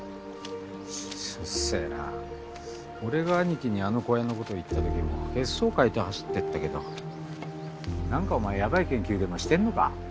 うっせぇな俺が兄貴にあの小屋のこと言った時も血相変えて走ってったけど何かお前ヤバい研究でもしてんのか？